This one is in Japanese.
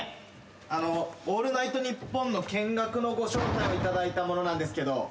あの『オールナイトニッポン』の見学のご招待を頂いた者なんですけど。